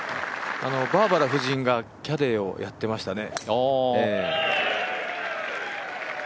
バーバラ夫人がキャディーをやってましたね。